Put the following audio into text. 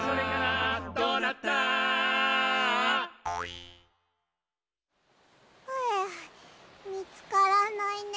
「どうなった？」はあみつからないね。